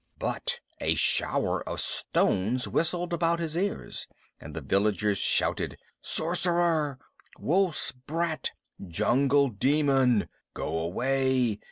But a shower of stones whistled about his ears, and the villagers shouted: "Sorcerer! Wolf's brat! Jungle demon! Go away!